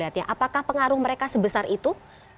apakah pengaruh mereka sebesar itu